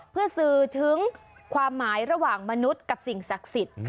เพื่อสื่อถึงความหมายระหว่างมนุษย์กับสิ่งศักดิ์สิทธิ์